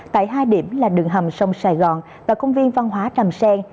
tại hai điểm là đường hầm sông sài gòn và công viên văn hóa tràm sen